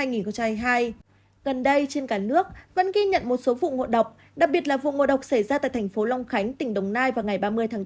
gần đây trên cả nước vẫn ghi nhận một số vụ ngộ độc đặc biệt là vụ ngộ độc xảy ra tại thành phố long khánh tỉnh đồng nai vào ngày ba mươi tháng bốn